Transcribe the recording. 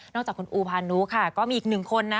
นอกจากคุณอูภาณุคะก็มีอีก๑คนนะ